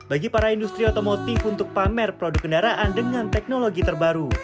bagi para industri otomotif untuk pamer produk kendaraan dengan teknologi terbaru